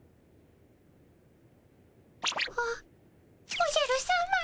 おおじゃるさま。